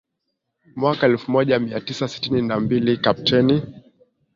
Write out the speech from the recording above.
mwaka elfu moja mia tisa sitini na mbili Kapteni